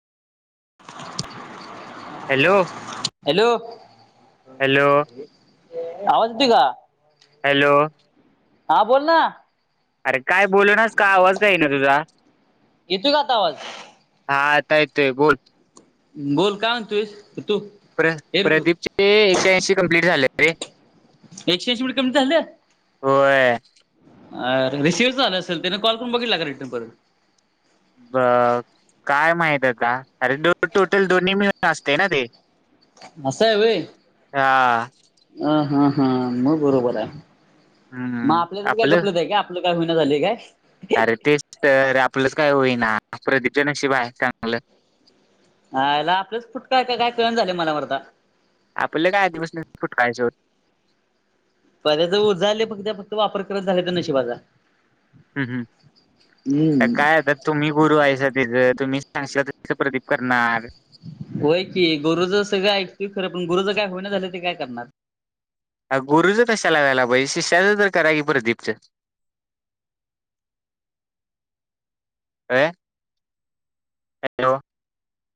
Hello [unintelligible] hello! Hello आवाज येतोय का? हॅलो! हा, बोल ना. अरे! काय बोल नास का आवाज का येना, तुझा. येतोय का आता आवाज हा आता येतोय, बोल. बोल काय, म्हणतोयस तू प्र- हे ऋतू प्रदीपची एकशे ऐंशी कंप्लीट झालेत, रे. एकशे ऐंशी मिनिट कमी होय. अर रिसीव झालं असेल, त्याने कॉल करून बघितला का रिटर्न परत? ब -काय माहित, आता अरे दो-टोटल दोन्ही मिळून असतयं ना ते. असय व्हय हा अ हं हं म बरोबर हाय. म हम्म आपल्यातच काय आपलं गफलत हाय काय आपलं काय होईना झालंय काय? अरे तेच तर आपलंच काय होईना प्रदीपच्या नक्षिब हाय चांगलं आयला आपलंच फुटका आहे का काय कळण झालंय मला मर्दा आपल्याला काय आधीपासनाच फुटक हा सोड पपदयाच उजाळय फक्त फक्त वापर करत झाले तर नशिबाचा हूं हूं त्या हम्म काय आता तुम्ही गुरु हायसा त्याज तुम्ही सांगशा तस प्रदीप करणार होय की गुरुचं सगळं ऐकतील खरं पण गुरुजं काय होईना झालंय ते काय करणार अ गुरुचं कशाला व्हायला पाहिजे शिष्याचं तर करा की प्रदीपचं काय?